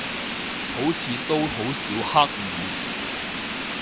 好似都好少黑雨